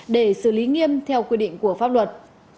để xử lý nghiêm theo quy định của pháp luật